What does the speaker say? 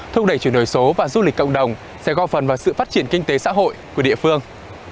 thúc đẩy chuyển đổi số và du lịch cộng đồng sẽ góp phần vào sự phát triển kinh tế xã hội của địa phương